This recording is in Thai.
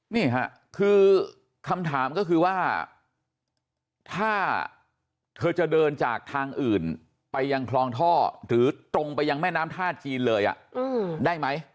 นี่ค่ะคือคำถามก็คือว่าถ้าเธอจะเดินจากทางอื่นไปยังคลองท่อหรือตรงไปยังแม่น้ำท่าจีนเลยได้ไหม